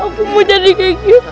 aku mau jadi seperti itu